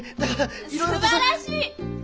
すばらしい！